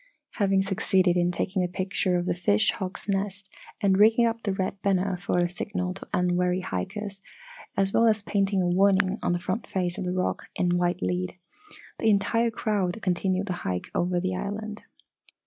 Having succeeded in taking a picture of the fish hawk's nest and rigging up the red banner for a signal to unwary hikers, as well as painting a warning on the front face of the rock in white lead, the entire crowd continued the hike over the island.